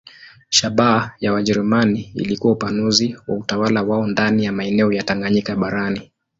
Shabaha ya Wajerumani ilikuwa upanuzi wa utawala wao ndani ya maeneo ya Tanganyika barani.